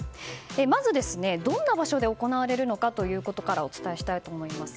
まず、どんな場所で行われるのかということからお伝えしたいと思います。